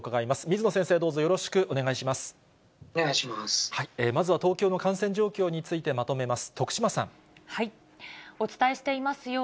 まずは東京の感染状況についてまとめます。